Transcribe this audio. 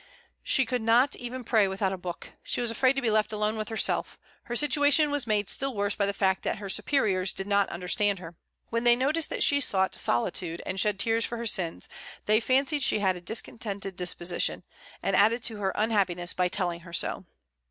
She could not even pray without a book. She was afraid to be left alone with herself. Her situation was made still worse by the fact that her superiors did not understand her. When they noticed that she sought solitude, and shed tears for her sins, they fancied she had a discontented disposition, and added to her unhappiness by telling her so.